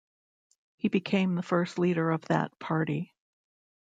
He became the first leader of that party.